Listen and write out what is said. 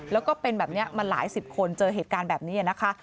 แล้วก็เป็นแบบนี้มาหลายสิบคนเจอเหตุการณ์แบบนี้นะคะ